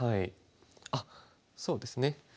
あっそうですね。